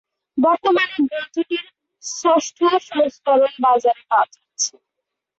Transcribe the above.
বর্তমানে গ্রন্থটির ষষ্ঠ সংস্করণ বাজারে পাওয়া যাচ্ছে।